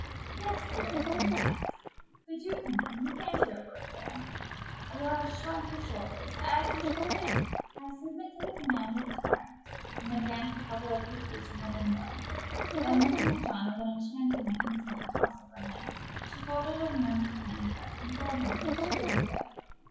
"Yes, dearest and best." "But do come in. You can't hear a word there." Mrs. Mellish shruggéd her shoulders, as who should say, "I submit to the command of a tyrant," and advanced a couple of paces from the window; then, looking at John with an enchantingly insolent toss of her head, she folded her hands behind her, and told him she would "be good."